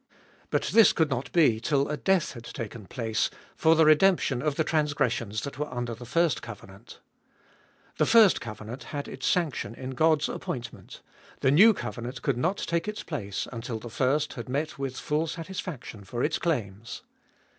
But this could not be till a death had taken place for the redemption of the transgressions that were under the first covenant. The first covenant had its sanction in God's appointment ; the new covenant could not take its place until the first had met with full satisfaction for its claims.